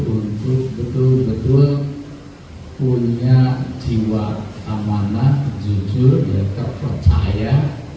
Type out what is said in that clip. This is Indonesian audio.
untuk betul betul punya jiwa amanah jujur dan terpercaya